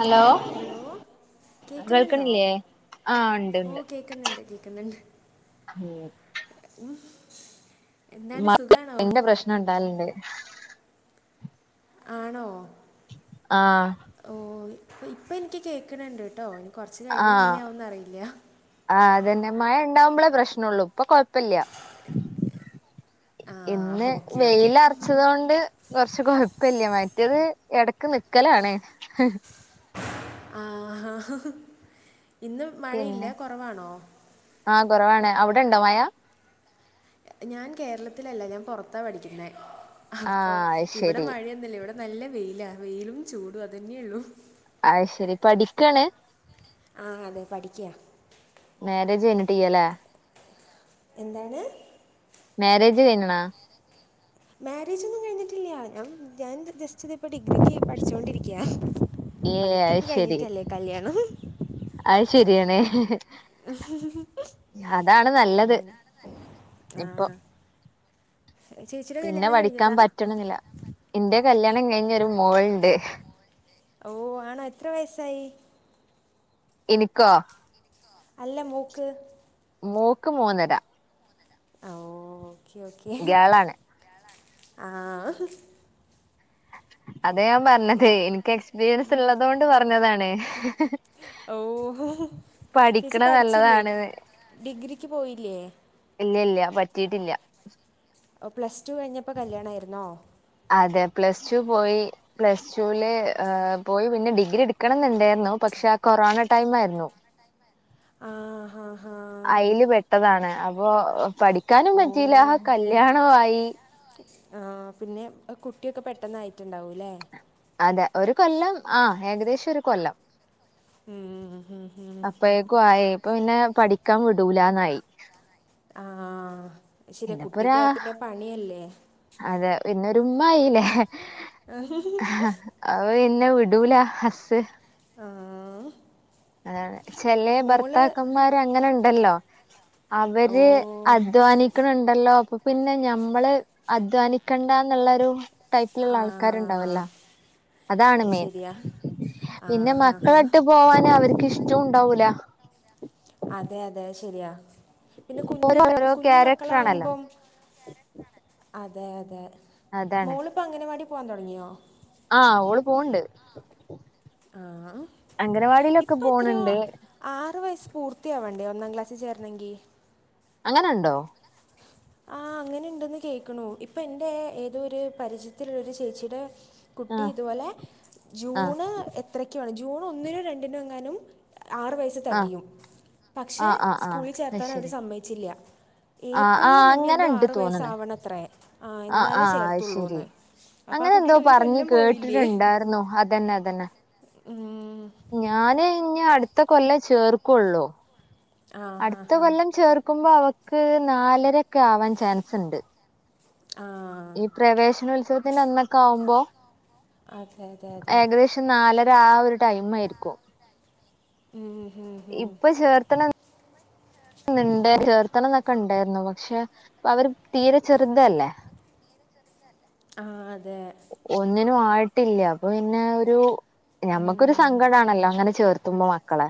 Hello hello കേക്കുന്നുണ്ടോ കേൾക്കണില്ലേ ആഹ് ഉണ്ട് ഓ കേക്കുന്നുണ്ട് കേക്കുന്നുണ്ട് മം ഉം മ എന്റെ പ്രശ്നം ഇണ്ടാലുണ്ട് ആണോ ആ ഓ ഇ ഇപ്പ എനിക്ക് കേൾക്കണണ്ട് കേട്ടോ എനി കുറച്ചു കഴിഞ്ഞാൽ ഇങ്ങനെയാാവന്ന് അറിയില്ല ആ അതന്നെ മഴ ഇണ്ടാവുമ്പോളേ പ്രശ്നള്ളു ഇപ്പൊ കൊഴപ്പില്ല ആ ഇന്ന് ഓക്കെ ഓക്കെ വെയിലറച്ചതോണ്ട് കുറച്ച് കൊഴപ്പില്ല മറ്റയത് ഇടക്ക് നിക്കലണേ ആ ഇന്ന് മഴയില്ല പിന്നെ കുറവാണോ ആഹ് കുറവാണ് അവിടെണ്ടോ മായ ഞാൻ കേരളത്തിലല്ല ഞാൻ പുറത്താ പഠിക്കണേ അപ്പോൊ ആഹ് അത് ഇവിടം ശരി മഴയൊന്നില്ല ഇവിടെ നല്ല വെയിലാ വെയിലും ചൂടും അതന്യേ ഉള്ളൂ അയ് ശരി പഠിക്കയാണ് ആഹ അതെ പഠിക്കയാ മാരേജ് കഴഞ്ഞിട്ടീയ അല്ലേ എന്താണ് മാരേജ് കഴിഞ്ഞണ മേരേജ് ഒന്നും കഴിഞ്ഞിട്ടില്ല ഞ ഞാൻ ജസ്റ്റ് ഇതിപ്പോൾ ഡിഗ്രിക്ക് പഠിച്ചുകൊണ്ടിരിക്കയാണ് ഏഹ് അത് പഠിത്തൊക്കെ ശരി കഴിഞ്ഞിട്ടല്ലേ കല്യാണം മ്മ് അത് ശരിയണേ ഹ്ഹ്ഹ് അതാണ് നല്ലത് അങ്ങനെ ആ ഇപ്പൊ ചേച്ചിയുടെ പിന്നെ കല്യാണം പഠിക്കാൻ കഴിഞ്ഞതാ പറ്റണെന്നില്ല ഇന്റെ കല്യാണം കഴിഞ്ഞ് ഒരു മോൾ ഉണ്ട് ഓ ആണോ എത്ര വയസ്സായി എനിക്കോ അല്ല മോക്ക് മോക്ക് മൂന്നര ഓ ഓക്കേ ഓക്കേ ഗേളാണ് ആഹ അതെ പറഞ്ഞത് എനിക്ക് എക്സ്പീരിയൻസ് ഉള്ളതൊണ്ട് പറഞ്ഞതാണ് ഓ ചേച്ചി പഠിക്കണ പഠിച്ചില്ലേ നല്ലതാണ് ഡിഗ്രിക്ക് പോയില്ലേ ഇല്ല ഇല്ല പറ്റിട്ടില്ല ഓ പ്ലസ് ടു കഴിഞ്ഞപ്പോ കല്യാണ ആരുന്നോ അതെ പ്ലസ് ടു പോയി പ്ലസ് ടുൽ പോയി പിന്നെ ഡിഗ്രി എടുക്കണം എന്നുണ്ടായിരുന്നു പക്ഷെ ആഹ് കൊറോണ ടൈം ആയിരുന്നു ആ ഹാ ഹാ അയില് പെട്ട് താണ് അപ്പോ പഠിക്കാനും പറ്റിയില്ല ആഹ് കല്യാണം ആയി ആഹ് ആഹ് പിന്നെ കുട്ടിയൊക്കെ പെട്ടെന്ന് ആയിട്ടുണ്ടാവും അല്ലേ അതെ ഒരു കൊല്ലം ആ ഏകദേശം ഒരു കൊല്ലം ഉം, ഉം, ഉം. അപ്പഴേകും ആയെ പിന്നെ പഠിക്കാൻ വിടൂലന്നായി ആഹ് ശരിയ കുട്ടിയോകെ പിന്നെപ്പൊരാ ആയ പിന്നെ പണിയല്ലേ അതെ പിന്നരു ഉമ്മ ആയില്ലെ അവ എന്നെ വിടുല്ല ഹസ്സ് ആഹ് അതാണ് ചെല മോള് ഭർത്താക്കന്മാര അങ്ങനെ ഉണ്ടല്ലോ ഓ അവര് അധ്വാനിക്കണണ്ടല്ലോ അപ്പൊ പിന്നെ ഞമ്മള് അധ്വാനിക്കണ്ടന്നുള്ളരു ടൈപ്പിലുള്ള ആ ആൾക്കാരുണ്ടാവല്ലോ അതാണ് അത് മെയിൻ ശരിയാ ആ പിന്നെ ഹാ ഹാ മക്കളെയിട്ട് പോവാന് അവർക്ക് ഇഷ്ടം ഉണ്ടാവൂല അതെ അതെ ശെരിയാ പിന്നെ കുഞ്ഞി ഓരോരോ കുഞ്ഞ് ക്യാരക്ടർ ആണല്ലോ മക്കളാവുമ്പം അതെ അതെ അതാണ് മോളിപ്പോ അംഗനവാടി പോകൻ തുടങ്ങിയോ ആഹ് ഓള് പോണ്ട് ആഹ് അംഗനവാടിയിലൊക്കെ ഇപ്പോ എത്രയാ പോണണ്ട് ആറ് വയസ്സ് പൂർത്തിയാവണ്ടേ ഒന്നാം ക്ലാസ്സിൽ ചേരണെങ്കിൽ അങ്ങനെ ഉണ്ടോ ആഹ് അങ്ങനെ ഉണ്ടെന്ന് കേൾക്കണു ഇപ്പൊ എൻറെ ഏതോ ഒരു പരിചയത്തിലുള്ള ഒരു ചേച്ചിയുടെ കുട്ടി ആഹ് ഇതുപോലെ ആഹ് ജൂണ് എഹ് അത്രക്ക ജൂൺ ഒന്നിനും രണ്ടിനോ എങ്ങാനും ആറ് വയ ആഹ് തികയും പക്ഷെ ആഹ് ആഹ് ആഹ് സ്കൂളിൽ ചേർത്താൻ അവർ അയ്ശരി സമ്മതിച്ചില്ല ആഹ് ഏപ്രിലിൽ ആഹ് മുന്ന എന്തോ അങ്ങനെണ്ട് ആറ് തോന്നണ് വയസാവണത്രേ ആഹ് എന്നാലേ ആഹ് അത് ചേർത്തുള്ളൂ ശരി എന്ന് അപ്പൊ ആഹ് അങ്ങനെ എന്തോ കുട്ടീടെ ഒരു പറഞ്ഞ് കൊല്ലം പോയില്ലേ കേട്ടിട്ടുണ്ടായിരുന്നു അതന്നെ അതന്നെ ഉം ഞാന് ഇനി അടുത്ത കൊല്ലം ചേർക്കുള്ളൂ ആ ഹാ അടുത്ത ഹാ കൊല്ലം ചേർക്കുമ്പോ അവക്ക് നാലരൊക്കെ ആവാൻ ചാൻസ് ഉണ്ട് ആഹ് ഈ പ്രവേശനോത്സവത്തിന്റെ അന്നൊക്കെ ആവുമ്പോ അതെ അതെ അതെ ഏകദേശം നാലര ആഹ് ഒരു ടൈം ആയിരിക്കും ഉം ഉം ഇപ്പൊ ചേർത്തണ ഇണ്ട് ചേർത്തണം എന്നൊക്കെ ഉണ്ടായിരുന്നു പക്ഷെ അവര് തീരെ ചെറുതല്ലേ ആഹ് അതെ ഒന്നിനും ആയിട്ടില്ല അപ്പൊ പിന്നെ ഒരു ഞമ്മക്കൊരു സങ്കടമാണല്ലോ അങ്ങനെ ചേർത്തുമ്പോ മക്കളെ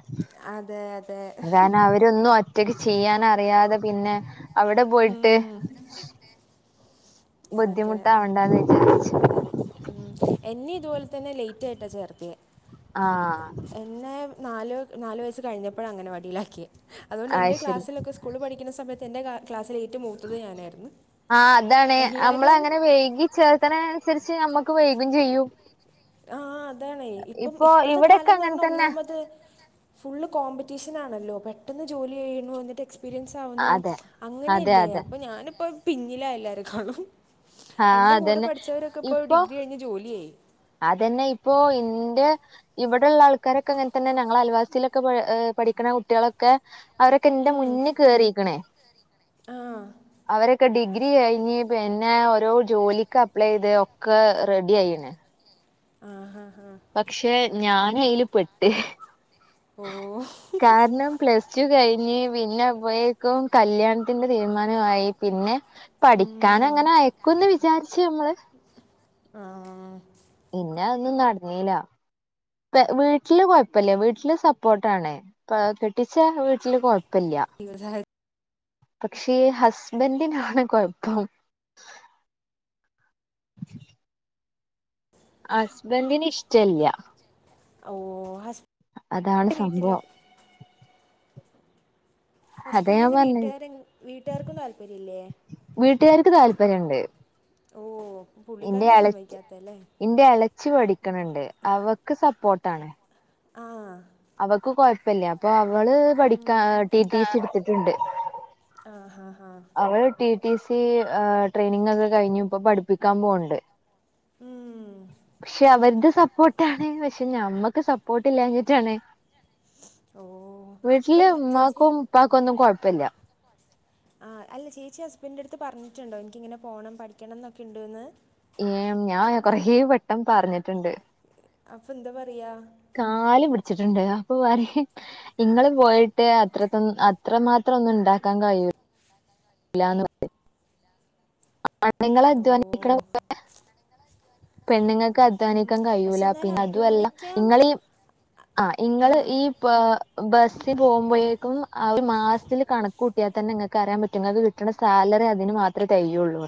അതെ അതെ കാരണം അവരൊന്നും ഒറ്റക്ക് ചെയ്യാൻ അറിയാതെ പിന്നെ അവിടെ പോയിട്ട് ഉം, അതെ ബുദ്ധിമുട്ടാവണ്ടന്ന് വിചാരിച്ചു ഉം എന്നെ ഇതുപോലെ തന്നെ ലേറ്റ് ആയിട്ടാ ചേർത്തേ ആഹ് എന്നെ നാല് നാല് വയസ്സ് കഴിഞ്ഞപ്പോഴ അംഗനവാടിലാക്കി അതുകൊണ്ട് അത് എൻ്റെ ശരി ക്ലാസ്സിലൊക്കെ സ്കൂള് പഠിക്കുന്ന സമയത്ത് എന്റെ ക്ലാസ്സിൽ ഏറ്റ് മുത്തത് ഞാനായിരുന്നു ആഹ് അതാണ് നമ്മൾ എല്ലാവരും അങ്ങനെ വൈകി ചേർത്തന അനുസരിച്ച് നമ്മക്ക് വൈകും ചെയ്യും ആഹ് അതാണേ ഇപ്പം ഇപ്പൊ ഇപ്പഴത്തെ ഇവിടെക്കെ കാലന്ന് അങ്ങനെ പറഞ്ഞ തന്നെ ഒന്നാമത് ഫുൾ കോമ്പറ്റീഷൻ ആണല്ലോ പെട്ടെന്ന് ജോലി ചെയ്യണ എന്നിട്ട് എക്സ്പീരിയൻസ് അതെ [unintelligible] അതെ അങ്ങനെയല്ലേ അതെ അപ്പൊ ഞാനിപ്പോ പിന്നിലാ എല്ലാരും കാണും ആഹ് എന്റെറെ കൂടെ അതന്നെ പഠിച്ചവരൊക്കെ ഇപ്പോ ഇപ്പൊ ഡിഗ്രി കഴിഞ്ഞ് ജോലിയായി അതന്നെ ഇപ്പൊ എന്റെ ഇവിടെയള്ള ആൾക്കാരൊക്കെ അങ്ങനെ തന്നെ ഞങ്ങളൾ അലിവാസിയിലൊക്കെ് പഠിക്കുന്ന കുട്ടികളൊക്കെ അവരൊക്കെ എൻ്റെ ഉം. മുന്നേ കേറിക്കണേ ആ അവരൊക്കെ ഡിഗ്രി കഴിഞ്ഞ് പിന്നെ ഓരോ ജോലിക്ക് അപ്ലൈ ചെയ്ത് ഒക്ക റെഡി ആയിണേ ആഹ് ആഹ് ആഹ് പക്ഷെ ഞാൻ അയിൽ പെട്ട് ഓ കാരണം പ്ലസ്ടു പ്ലസ്‌ടു കഴിഞ്ഞ് പിന്നെ അപ്പോഴേക്കും കല്യാണത്തിന്റെ തീരുമാനമായി പിന്നെ പഠിക്കാൻ ഉം. അങ്ങനെ ആയക്കുന്ന് വിചാരിച്ചു നമ്മള് ആഹ് പിന്നെ അതൊന്നും നടന്നീല്ല വീട്ടിൽ കുഴപ്പില്ല വീട്ടിൽ സപ്പോർട്ടാണ് അഹ് കെട്ടിച്ച വീട്ടിൽ കൊഴപ്പില്ല [unintelligible] പക്ഷേ ഹസ്ബന്റിനാണ് കുഴപ്പം ഹുസ്ബന്റിന് ഇഷ്ടല്ല ഓ ഹസ് അതാണ് സംഭവം അതാ ഞാൻ ഹുസ്ബന്റിന്റെ പറഞ്ഞെ വീട്ടുകാര് വീട്ടുകാർക്കും താല്പര്യംമില്ലേ വീട്ടുകാർക്ക് താല്പര്യയിണ്ട് ഓ പുള്ളിക്കാരനെ സമ്മതിക്കാത്തല്ലേ ഇന്റെ ഇളച്ചി പഠിക്കണണ്ട് അവക്ക് സപ്പോർട്ടാണ് ആഹ് അവൾക്ക് കൊഴപ്പിയില്ല അപ്പൊ അവള് പഠിക്കാൻ ടിറ്റിസി എടുത്തിട്ടുണ്ട് ആഹ് ആഹ് ഹാ അവരോരു ടിറ്റിസി ട്രെണിങ് യൊക്കെ കഴിഞ്ഞു ഇപ്പോ പഠിപ്പിക്കാൻ പോകുണ്ട് ഉം പക്ഷെ അവരുടെ സപ്പോർട്ടാണ് പക്ഷെ ഞമ്മക്ക് സപ്പോർട്ട് ഇല്ലഞ്ഞിട്ടാണ് ഓ വീട്ടിൽ ഇപ്പം ചേച്ചി ഉമ്മാക്കും ഉപ്പാക്കും ഒന്നും കൊഴപ്പമില്ല ആഹ് അല്ല ചേച്ചി ഹുസ്ബന്റിന്റെയാടുത്ത് പറഞ്ഞിട്ടുണ്ടോ എനിക്കിങ്ങനെ പോണം പഠിക്കണന്നൊക്കെയിണ്ട് എന്ന് ഏഹ് ഞാൻ കൊറെ വട്ടം പറഞ്ഞിട്ടുണ്ട് അപ്പൊ എന്താ പറയാ കാല് പിടിച്ചിട്ടുണ്ട് അപ്പൊ പറയും നിങ്ങൾ പോയിട്ട് അത്രത്തൊ അത്ര മാത്രം ഒന്നും ഉണ്ടാക്കാൻ കഴിയൂല്ല ഇല്ലാന്ന് ആണ്ണുങ്ങൾ ഓ അധ്വാനീക്കണപോലെ പെണ്ണുങ്ങൾക്ക് ഉം. അധ്വാനിക്കാൻ പഠിക്കാൻ പക്ഷെ കഴൂല എന്നാലും പിന്നെ അതുയെല്ലാം ഇങ്ങള് ഈ അധ്വാനിക്കാൻ ആഹ് ആ ഇങ്ങള് ഈ ഇപ്പൊ ബസ്സിൽ പോകുമ്പോഴേക്കും ആഹ് ഒരു മാസത്തിൽ കണക്ക് കൂട്ടിയാൽ തന്നെ നിങ്ങൾക്ക് അറിയാൻ പറ്റും നിങ്ങൾക്ക് കിട്ടാനുസാലറി അതിന് മാത്രമേ തേകയുള്ളൂ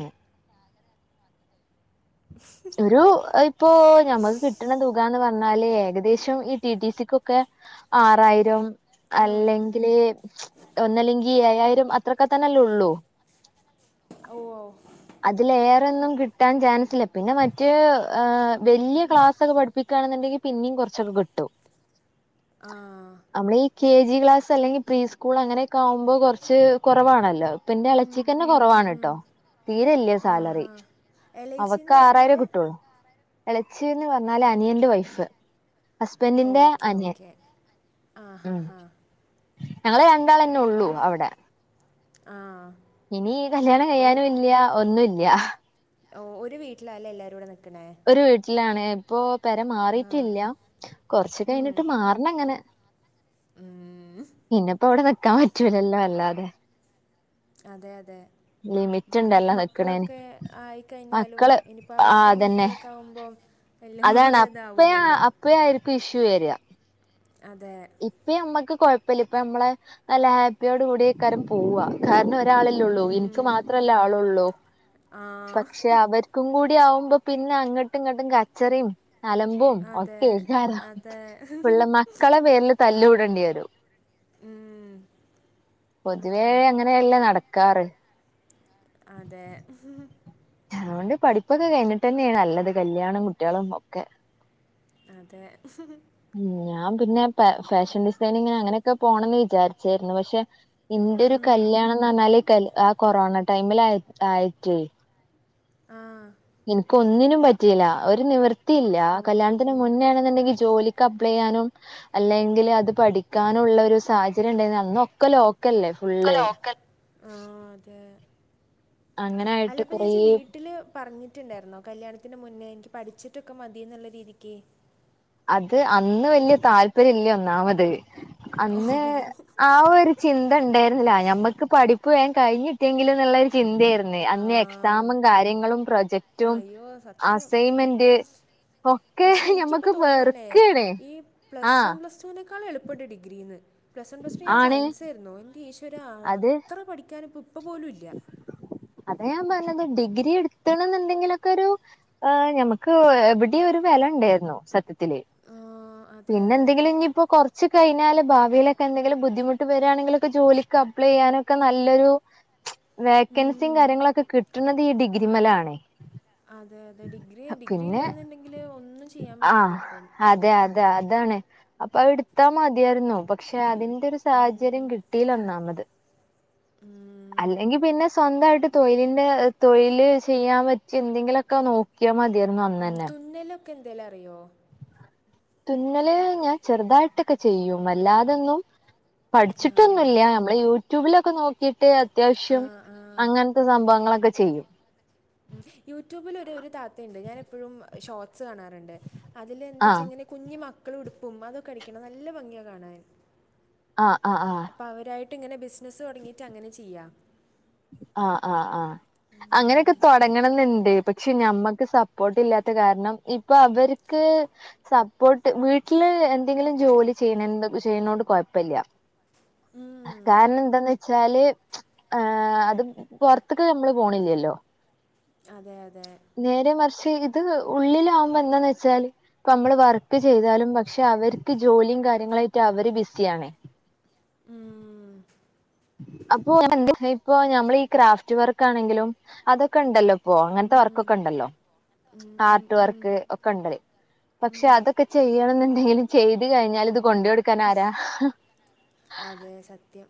ഒരു ഇപ്പൊ ഞമക്ക് കിട്ടണ തുകന്ന് പറഞ്ഞാല് ഏകദേശം ഈ ട്ടിട്ടിസിയൊക്കെ ആറായിരം ആ അല്ലെങ്കില് ഒന്നല്ലെങ്കിൽ ഏഴായിരം അത്രയൊക്കെ തന്നെല്ലേ ഉള്ളൂ ഓഹ് അതിലേറെന്നും കിട്ടാൻ ചാൻസില്ല പിന്നെ മറ്റ് വലിയ ക്ലാസ്സൊക്കെ പഠിപ്പിക്കുന്ന പഠിപ്പിക്കാണെന്നണ്ടെങ്കിൽ പിന്നെയും കുറച്ചൊക്കെ കിട്ടും ആഹ് നമ്മൾ ഈ കെ ജി ക്ലാസ് അല്ലെങ്കിൽ പ്രീ സ്കൂൾ അങ്ങനെയൊക്കെ ആകുമ്പോൾ കുറച്ച് കുറവാണല്ലോ പിന്നെ ഉം, [unintelligible] ഉം, ഉം, കുറവാണ് ഉം. ട്ടോ തീരെയില്ല ആ സാലറി ഹാ എൽ ഐ സി അവക്ക് എന്ന് പറഞ്ഞാൽ ആറായിരൊക്കെ കിട്ടോ എളെച്ചിന്ന് പറഞ്ഞാല് അനിയന്റെ വൈഫ് ഹസ്ബന്റിന്റെ ഓക്കെ അനിയൻ ഓക്കെ ആ ഹാ ഉം ഹാ ഞങ്ങൾ രണ്ടാള്ളെന്നെ ഉള്ളൂ അവിടെ ആഹ് ഇനി ഈ കല്യാണം കഴിയാനും ഇല്ല ഒന്നുയില്ല ഓ ഒരു വീട്ടിലല്ലേ എല്ലാരും കൂടെ നിക്ക്ണേ ഒരു വീട്ടിലാണ് ഇപ്പൊ പെരാ ആ മാറിയിട്ടില്ല കൊറച്ച് ഉം, കഴിഞ്ഞിട്ട് മാറണം ങ്ങനെ ഉം. പിന്നപ്പോ അവ്ടെ നിക്കാ പറ്റൂലല്ലോ വല്ലാതെ അതെ അതെ ലിമിറ്റ് പ്പം ഉണ്ടല്ലോ നിക്കണേന് മക്കളൊക്കെ ആയിക്കഴിഞ്ഞാലും മക്കള് ഇനിപ്പ ആ അവര്ക്കും അതന്നെ മക്കളൊക്കെ ആവുമ്പം അതാണ് അപ്പയ അപ്പയായിരിക്കും ഇഷ്യു വര്യ അതെ ഇപ്പ നമ്മക്ക് കൊയപ്പല്ല ഇപ്പ നമ്മള് നല്ല ഹാപ്പിയോട് കൂട്യയ്കാരം പോവാ കാരണം ഒരാളല്ലൊള്ളൂ ഇൻക്ക് ഉം, മാത്രല്ലെ ആളള്ളൂ ആ പക്ഷെ അവർ ക്കും കൂടി ആകുമ്പോ പിന്നെ അങ്ങട്ട് ഇങ്ങട്ട് കച്ചറിയും അലമ്പ് ഔ അതെ അത് അതെ ഇപ്പൊള്ള മക്കളെ അയ്ൻ്റെ പേര്ല് തല്ലൂടണ്ടെയെരും ഉം, പൊതുവേ അതാണ് അങ്ങ അങ്ങനെയല്ലേ നടക്കാറ് അതെ അതോണ്ട് പഠിപ്പൊക്കെ കഴിഞ്ഞിട്ടന്യാ നല്ലത് കല്യാണും കുട്ട്യാളും ഒക്കെ അതെ ഉം ഞാൻ പിന്നെ ഫാഷൻ ഡിസൈനിങ് അങ്ങനെയൊക്കെ പോണംന്ന് വിചാരിച്ചായിരുന്നു പക്ഷെ ഇന്റോരു കല്യാണന്ന് പറഞ്ഞാല്ല് ആ കൊറോണ ടൈമിൽ ആയിട്ടേ ആഹ് ഇൻക് ഒന്നിനും പറ്റിയില്ല ഒരു നിവർത്തിയില്ല ഓ കല്യാണത്തിന് മുന്നേ ആണെന്ന്ണ്ടെങ്കിൽ ജോലിക്ക് ഒക്കെപ്ലെയ്യാനും അല്ലെങ്കിൽ അത് പഠിക്കാനുള്ള ഒരു സാഹചര്യം ഉണ്ടങ്കില് അന്ന് ഒക്കെ ലോക്കല്ലെ ഒക്കെ ലോക്കൽആഹ് അതെ അങ്ങനായിട്ട് അല്ലപ്പ കുറേ ചേച്ചി വീട്ടില് പറഞ്ഞിട്ടുണ്ടായിരുന്നു കല്യാണത്തിന്റെ മുന്നേ എനിക്ക് പഠിച്ചിട്ടൊക്കെ മതീ ന്നുള്ള രീതിക്ക് അത് അന്ന് വല്യ താല്പര്യല്ല ഒന്നാമത് ഓ അന്ന് ആ ഒരു ചിന്ത ണ്ടേര്ന്നില്ല ഞമ്മുക്ക് പഠിപ്പ് വേം കഴിഞ്ഞിട്ടിയെങ്കില്ന്നള്ളര് ചിന്താര്ന്ന് ആ അന്ന് എക്സാമും കാര്യങ്ങളും പ്രൊജക്ട്ടും ആ അയ്യോ സത്യം ഉം ഒക്കെ പക്ഷെ എനിക്കിപ്പ ഞമ്മക്ക് തോന്നണേ വെറുക്കാണ് ഈ ആ പ്ലസ് വൺ തോ പ്ലസടൂനെക്കാളെളുപ്പുണ്ട് ഡിഗ്രീന്ന് പ്ലസ് വൺ പ്ലസ്ടു ഞാൻ ആണ് സയൻസേര്ന്നു ന്റെ ഈശ്വര അത് അത്ര പഠിക്കാനിപ്പ ഇപ്പ പോലു ല്ല അതെ ഞാൻ പറഞ്ഞത് ഡിഗ്രി ഇട്ത്ത്ണ്ന്ന്ണ്ടെങ്കിലൊക്കൊരു ആ ഞമ്മക്ക് എവ്ടിം ഒരു വിവെലണ്ടായിരുന്നു സത്യത്തില് ആഹ് അതെ അതെ പിന്നെന്തെങ്കിലും ഞിപ്പൊ കൊറച്ച് കൊർച്ച് കയിഞ്ഞാല് ഭാവിയിലൊക്കെ എന്തെങ്കിലും ബുദ്ധിമുട്ട് വരാണെങ്കിലൊക്കെ ജോലിക്ക് അപ്ലെയാനൊക്കെ നല്ലൊരു വേക്കൻസിം ഉം കാര്യങ്ങളൊക്കെ കിട്ട്ണത് ഈ ഡിഗ്രിമ്മലാണ് അതെ അതെ ഡിഗ്രി ഡിഗ്രി ഇല്ലാന്ന്ണ്ടെങ്കില് ഒന്നും ചെയ്യാൻ പറ്റില്ല ആഹ് ഇപ്പം അതെ അതെ അതാണ് അപ്പൊ അത് ഇട്ത്താ മതിയായിരുന്നു പക്ഷെ അതിന് അതിന്റൊരു ഒരു ഉം സാഹചര്യം കിട്ടീലൊന്നാമത് ഉം അല്ലെങ്കി പിന്നെ സ്വന്തായിട്ട് തൊഴിലിൻ്റെ തൊഴില് ചെയ്യാൻ പറ്റ്യ ന്തെങ്കിലൊക്കെ നോക്ക ക്യ മത്യായിര്ന്നു ഉം തുന്നലൊക്കെ എന്തേലറിയോ തുന്നല് ഞാൻ ചെറുതായിട്ടൊക്കെ ചെയ്യും അല്ലാതൊന്നും ആഹ് പഠിച്ചിട്ടൊന്നുല്ല ഞമ്മള് യൂട്യൂബിലൊക്കെ നോക്കിട്ട് അത്യാവശ്യം ആഹ് ആഹ് അങ്ങനത്തെ സംഭവങ്ങളൊക്കെ ചെയ്യും ഉം യൂട്യൂബിലൊര് ഒര് താത്തയ്ണ്ട് ഞാൻ എപ്പഴും ഷോട്സ് കാണാറണ്ട് അതിലെന്തച്ചാ ആഹ് ങ്ങെനെ കുഞ്ഞി മക്കളെ ഉടുപ്പും അതൊക്കെ അടിക്ക്ണ നല്ല ഭംഗിയാ കാണാൻ ആഹ് അഹ് ആഹ് അപ്പ അവരായിട്ട് ങ്ങെനെ ബിസിനസ് തൊടങ്ങീട്ട് അങ്ങെനെ ചെയ്യാ ആഹ് ആഹ് ആഹ് അങ്ങെനൊക്കെ തൊടങ്ങണംന്ന്ണ്ട് പക്ഷെ ഞമ്മക്ക് സപ്പോർട്ട് ഇല്ലാത്ത കാരണം ഇപ്പൊ അവര്ക്ക് സപ്പോട്ട് വീട്ടില് എന്തെങ്കിലും ജോലി ചെയ്യണ് ചെയ്യ്ണോണ്ട് കൊയപ്പല്യ ഉം കാരണം എന്താന്ന് വെച്ചാല് ആഹ് അത് പൊറത്തെക്ക് നമ്മള് പോണില്ലല്ലോ അതെ അതേ നേരേമറിച്ച് ഇത് ഉള്ളിലാവുമ്പം എന്താന്ന് വെച്ചാൽ ഇപ്പ നമ്മള് വർക്ക് ചെയ്താലും പക്ഷെ അവർക്ക് ജോലിയും കാര്യങ്ങളായിട്ട് അവര് ബിസിയാണ് ഉം അപ്പൊ ഇപ്പൊ ഞമ്മള് ഈ ക്രാഫ്റ്റ് വർക്കാണെങ്കിലും അതൊക്കെ ഇണ്ടല്ലോ ഇപ്പോ അങ്ങൻത്തെ ഉം വർക്കൊക്കെ ഇണ്ടല്ലോ ഉം ഉം ഉം ആർട്ട് വർക്ക് ഉം. ഒക്കെണ്ട് പക്ഷെ ഉം, അതൊക്കെ ചെയ്യണം ന്ന്ണ്ടേലും ചെയ്ത് കഴിഞ്ഞാല് ഇത് കൊണ്ടോട്ക്കാന് ആരാ അതേ സത്യം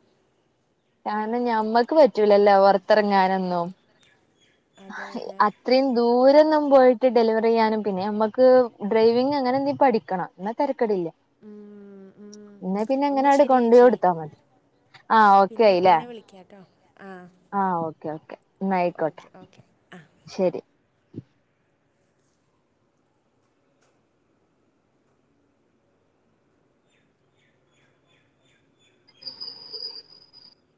കാരണം ഞമ്മക്ക് പറ്റൂലല്ലോ പൊറത്തറങ്ങാനൊന്നും അ അതെ അതെ [unintelligible] ഇത്രയും ദൂരംന്നും പോയിട്ട് ഡെലിവറി ചെയ്യാനും പിന്നെ ഞമ്മക്ക് ഡ്രൈവിംഗ് അങ്ങനെ എന്തെങ്കിലും പഠിക്കണം. ഇന്നാ തെരക്കടില്ല ഉം, ഉം. ഇന്നാ പിന്നെ എന്നാ അങ്ങനാണ്ട് ശരി കൊണ്ടുപോയി ചേച്ചി കൊടുത്താൽ മതി ആഹ് ഓക്കെ പിന്നെ ആയില്ലേ പിന്നെ വിളിക്കാട്ടോ ആഹ് ആഹ്, ഓക്കെ ഓക്കെ എന്നായിക്കോട്ടെ. ആഹ് ശരി